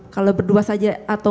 kalau berdua saja atau